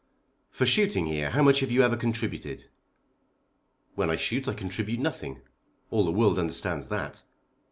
"For shooting here, how much have you ever contributed?" "When I shoot I contribute nothing. All the world understands that."